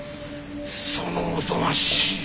そのおぞましい